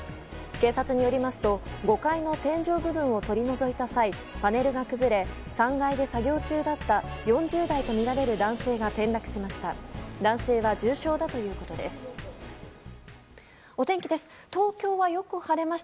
警察によりますと５階の天井部分を取り除いた際パネルが崩れ３階で作業中だった４０代とみられる男性が転落しました。